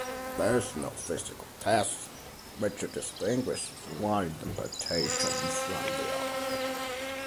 There is no physical test which distinguishes one interpretation from the other.